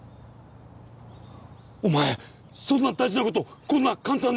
お前そんな大事なことこんな簡単に。